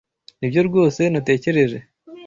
Nibyo rwose natekereje.